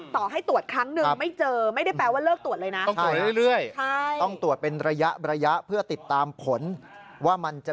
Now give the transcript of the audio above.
ต่อให้ตรวจครั้งหนึ่งไม่เจอ